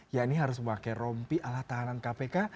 yakni harus memakai rompi ala tahanan kpk